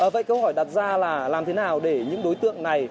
vậy câu hỏi đặt ra là làm thế nào để những đối tượng này